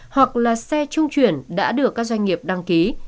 hoặc là xe trung chuyển đã được các doanh nghiệp đăng ký